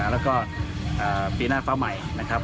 แล้วก็ปีหน้าฟ้าใหม่นะครับ